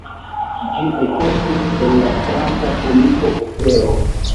Ĝi ekestis el la franca komika opero.